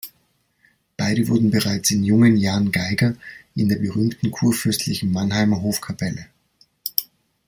Beide wurden bereits in jungen Jahren Geiger in der berühmten kurfürstlichen Mannheimer Hofkapelle.